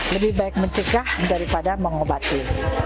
lebih baik mencegah daripada mengobati